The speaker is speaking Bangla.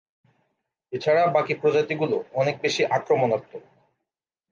এছাড়া বাকি প্রজাতিগুলো অনেক বেশি আক্রমণাত্মক।